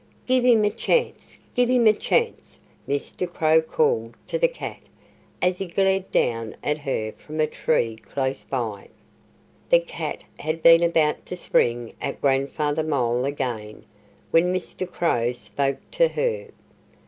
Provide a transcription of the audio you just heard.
"Give him a chance! Give him a chance!" Mr. Crow called to the cat, as he glared down at her from a tree close by. The cat had been about to spring at Grandfather Mole again when Mr. Crow spoke to her.